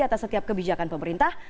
atas setiap kebijakan pemerintah